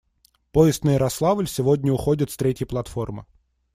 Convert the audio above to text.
Поезд на Ярославль сегодня уходит с третьей платформы.